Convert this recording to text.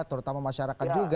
terutama masyarakat juga